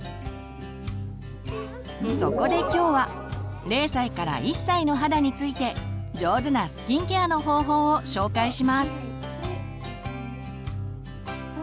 そこで今日は０歳から１歳の肌について上手なスキンケアの方法を紹介します。